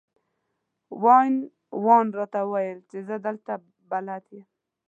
وین وون راته وویل چې زه دلته بلد یم.